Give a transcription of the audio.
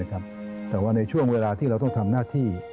แต่ว่าในช่วงเวลาที่เราต้องทำหน้าที่